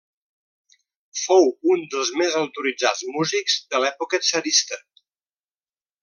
Fou un dels més autoritzats músics de l'època tsarista.